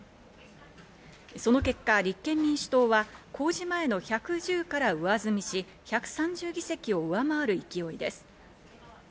その結果、立憲民主党は公示前の１１０から上積みし、１３０議席を上回る勢いです。